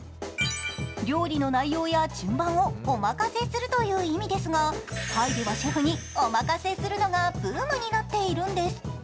料理の内容を順番をお任せするという意味ですがタイではシェフにお任せするのがブームになっているんです。